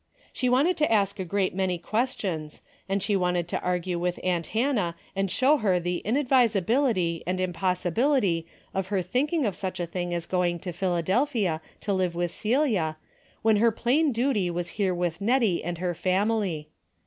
She wanted to ask a great many questions, and she wanted to argue with aunt Hannah and show her the inadvisability and impossibility of her thinking of such a thing as going to Philadelphia to live with Celia, when her plain duty was here with Hettie and her family.